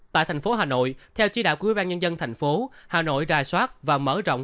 tại thành phố hà nội theo chỉ đạo của ubnd thành phố hà nội rài soát và mở rộng